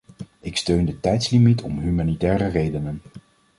Ik steun de tijdslimiet om humanitaire redenen.